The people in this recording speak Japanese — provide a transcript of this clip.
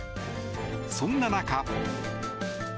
そんな中。